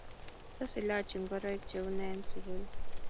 tos ilochi ngoroik cheune eng sukul